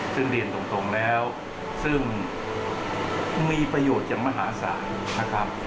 ซึ่งเรียนตรงแล้วซึ่งมีประโยชน์อย่างมหาศาลนะครับ